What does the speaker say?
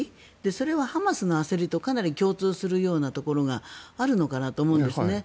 それはハマスの焦りとかなり共通するところがあるのかなと思うんですね。